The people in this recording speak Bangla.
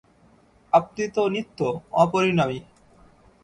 আপনি তো নিত্য, অপরিণামী।